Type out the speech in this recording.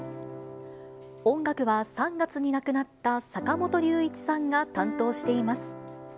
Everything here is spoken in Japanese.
音楽は、３月に亡くなった坂本龍一さんが担当しています。